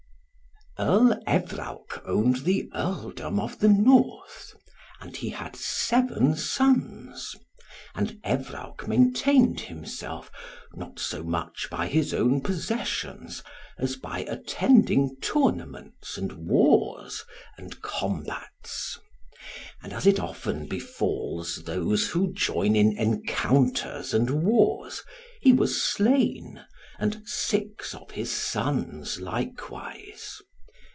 Earl Evrawc owned the Earldom of the North. And he had seven sons. And Evrawc maintained himself not so much by his own possessions as by attending tournaments, and wars, and combats. And, as it often befalls those who join in encounters and wars, he was slain, and six of his sons likewise.